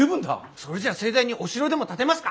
それじゃあ盛大にお城でも建てますか？